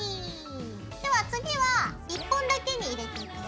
では次は１本だけに入れていくよ。